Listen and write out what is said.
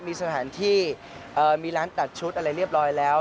มีสถานที่มีร้านตัดชุดอะไรเรียบร้อยแล้ว